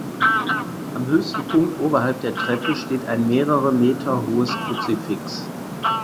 Am höchsten Punkt oberhalb der Treppe steht ein mehrere Meter hohes Kruzifix.